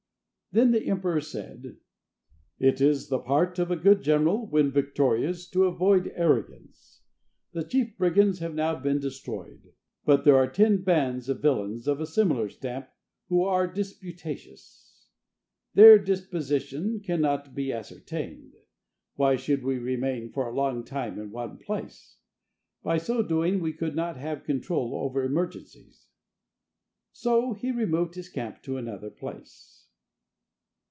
Then the emperor said: "It is the part of a good general when victorious to avoid arrogance. The chief brigands have now been destroyed, but there are ten bands of villains of a similar stamp, who are disputatious. "Their disposition cannot be ascertained. Why should we remain for a long time in one place? By so doing we could not have control over emergencies!" So he removed his camp to another place.